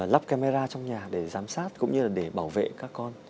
lắp camera trong nhà để giám sát cũng như là để bảo vệ các con